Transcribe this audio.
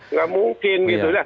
nggak mungkin gitu